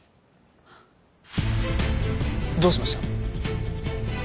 どうしました？